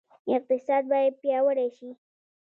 اقتصاد باید پیاوړی شي